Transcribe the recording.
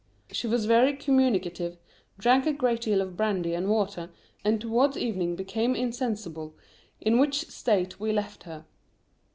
She was very communicative, drank a great deal of brandy and water, and towards evening became insensible, in which state we left her.